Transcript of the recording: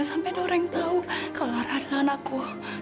sampai ada orang yang tahu kalau lara adalah anakku